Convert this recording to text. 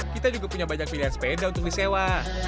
kita juga punya banyak pilihan sepeda untuk disewa